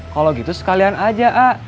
kalau gitu sekalian aja a